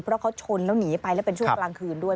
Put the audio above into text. เพราะเขาชนแล้วหนีไปแล้วเป็นช่วงกลางคืนด้วย